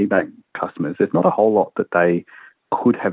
dan juga untuk menjaga kemampuan mereka